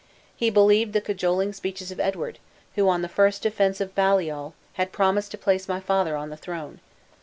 He believed the cajoling speeches of Edward, who, on the first offense of Baliol, had promised to place my father on the throne.